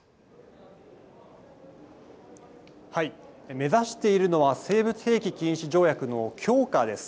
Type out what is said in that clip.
目指しているのは生物兵器禁止条約の強化です。